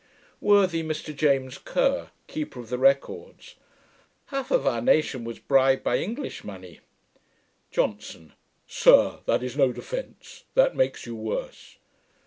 Worthy MR JAMES KERR, Keeper of the Records. 'Half our nation was bribed by English money.' JOHNSON. 'Sir, that is no defence: that makes you worse.'